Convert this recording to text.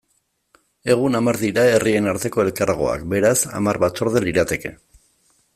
Egun hamar dira herrien arteko elkargoak, beraz, hamar batzorde lirateke.